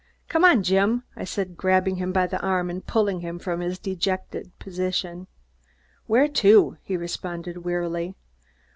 "Come on, Jim!" I said, grabbing him by the arm and pulling him from his dejected position. "Where to?" he responded wearily.